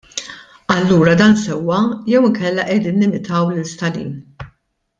Allura dan sewwa jew inkella qegħdin nimitaw lil Stalin?